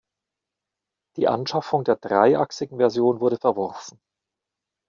Die Anschaffung der dreiachsigen Version wurde verworfen.